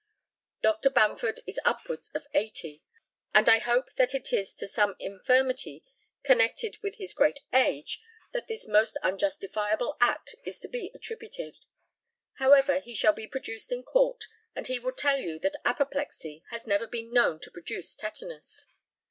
Dr. Bamford is upwards of 80, and I hope that it is to some infirmity connected with his great age that this most unjustifiable act is to be attributed. However, he shall be produced in court, and he will tell you that apoplexy has never been known to produce tetanus.